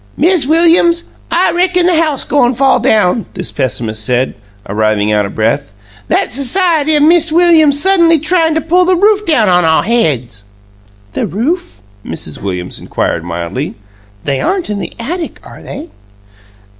"Miz Williams, I reckon the house goin' fall down!" this pessimist said, arriving out of breath. "That s'iety o' Mist' Sam's suttenly tryin' to pull the roof down on ow haids!" "The roof?" Mrs. Williams inquired mildly. "They aren't in the attic, are they?"